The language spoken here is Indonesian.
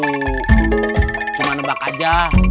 aku cuma nebak aja